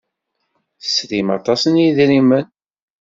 Tesrim aṭas n yidrimen?